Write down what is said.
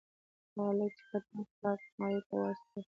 هغه لیک یې کټ مټ لارډ مایو ته واستاوه.